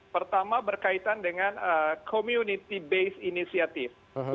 pertama berkaitan dengan community based initiative